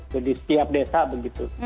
jadi setiap desa begitu